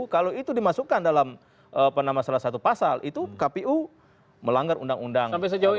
kalau itu dimasukkan dalam salah satu pasal itu kpu melanggar undang undang